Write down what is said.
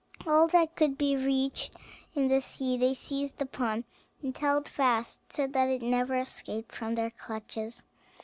All that could be reached in the sea they seized upon, and held fast, so that it never escaped from their clutches.